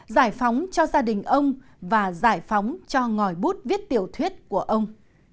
giải phóng cho gia đình ông và giải phóng cho ngòi bút viết tiểu thuyết của ông